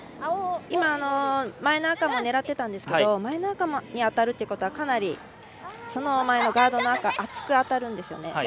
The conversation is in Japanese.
今、前の赤も狙っていたんですけど前の赤に当たるということはかなりその前のガードの赤に厚く当たるんですよね。